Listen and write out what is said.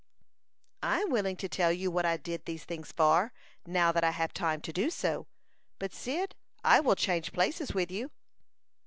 "I am willing to tell you what I did these things for, now that I have time to do so. But, Cyd, I will change places with you."